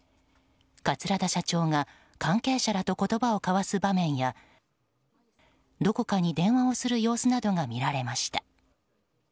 桂田社長が関係者らと言葉を交わす場面やどこかに電話をする様子などが見られました。